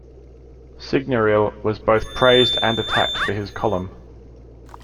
Signorile was both praised and attacked for his column.